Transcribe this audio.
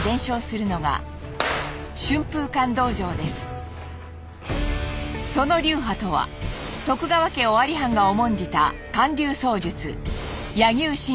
この地でその流派とは徳川家尾張藩が重んじた貫流槍術。